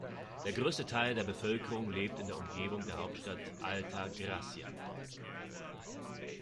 Der größte Teil der Bevölkerung lebt in der Umgebung der Hauptstadt Alta Gracia.